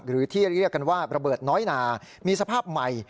หรือที่เรียกกันว่าระเบิดน้อยนามีสภาพใหม่